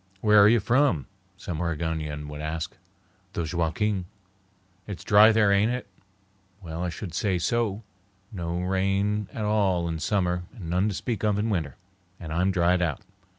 "Where are you from?" some Oregonian would ask. "The Joaquin." "It's dry there, ain't it?" "Well, I should say so. No rain at all in summer and none to speak of in winter, and I'm dried out.